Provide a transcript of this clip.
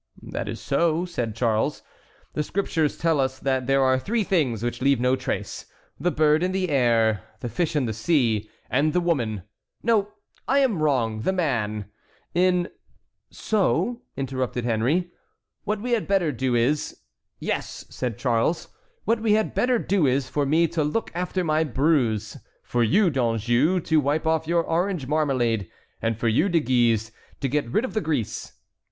"That is so," said Charles. "The Scriptures tell us that there are three things which leave no trace—the bird in the air, the fish in the sea, and the woman—no, I am wrong, the man, in"— "So," interrupted Henry, "what we had better do is"— "Yes," said Charles, "what we had better do is for me to look after my bruise, for you, D'Anjou, to wipe off your orange marmalade, and for you, De Guise, to get rid of the grease."